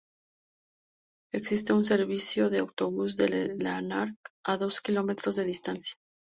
Existe un servicio de autobús desde Lanark, a dos kilómetros de distancia.